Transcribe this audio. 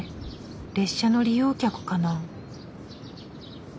列車の利用客かな？